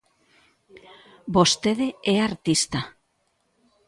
Vostede é artista.